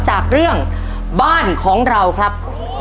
จากเรื่องบ้านของเราครับ